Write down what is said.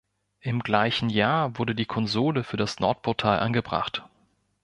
Im gleichen Jahr wurde die Konsole für das Nordportal angebracht.